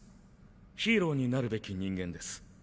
ヒーローになるべき人間です。